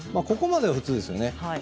ここまでは普通ですよね。